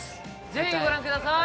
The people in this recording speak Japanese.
ぜひご覧ください！